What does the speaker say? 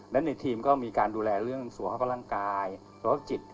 และในทีมก็มีการดูแลเรื่องสุขภาพร่างกายธุรกิจ